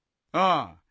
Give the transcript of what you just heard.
ああ。